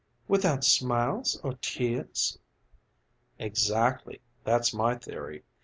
"Without smiles or tears?" "Exactly. That's my theory.